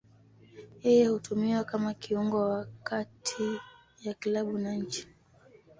Yeye hutumiwa kama kiungo wa kati ya klabu na nchi.